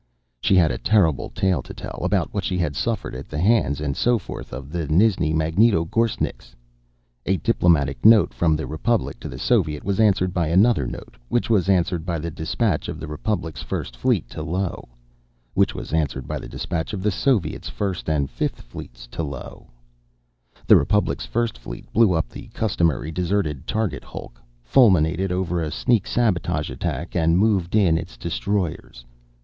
She had a terrible tale to tell about what she had suffered at the hands and so forth of the Nizhni Magnitogorskniks. A diplomatic note from the Republic to the Soviet was answered by another note which was answered by the dispatch of the Republic's First Fleet to Io which was answered by the dispatch of the Soviet's First and Fifth Fleets to Io. The Republic's First Fleet blew up the customary deserted target hulk, fulminated over a sneak sabotage attack and moved in its destroyers.